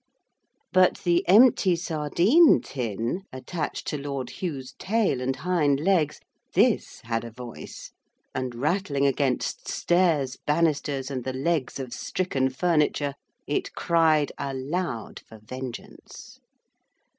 But the empty sardine tin attached to Lord Hugh's tail and hind legs this had a voice, and, rattling against stairs, banisters, and the legs of stricken furniture, it cried aloud for vengeance.